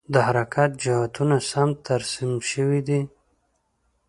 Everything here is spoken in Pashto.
د حرکت جهتونه سم ترسیم شوي دي؟